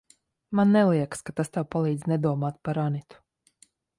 Man neliekas, ka tas tev palīdz nedomāt par Anitu.